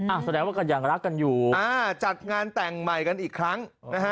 แสดงว่าก็ยังรักกันอยู่อ่าจัดงานแต่งใหม่กันอีกครั้งนะฮะ